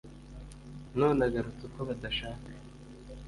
none agarutse uko badashaka